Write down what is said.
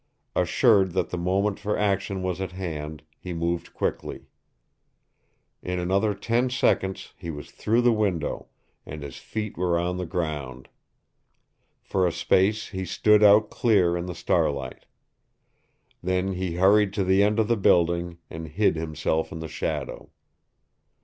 Assured that the moment for action was at hand, he moved quickly. In another ten seconds he was through the window, and his feet were on the ground. For a space he stood out clear in the starlight. Then he hurried to the end of the building and hid himself in the shadow.